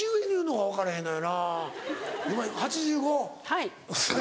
はい。